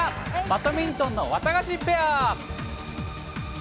バドミントンのワタガシペア。